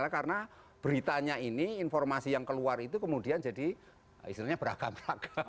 karena beritanya ini informasi yang keluar itu kemudian jadi istilahnya beragam beragam